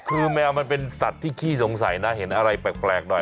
คือแมวมันเป็นสัตว์ที่ขี้สงสัยนะเห็นอะไรแปลกหน่อย